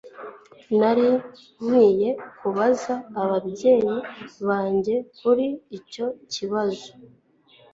nari nkwiye kubaza ababyeyi banjye kuri icyo kibazo